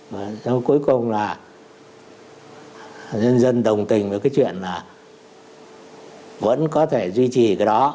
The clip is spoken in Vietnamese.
và trong cuối cùng là nhân dân đồng tình với cái chuyện là vẫn có thể duy trì cái đó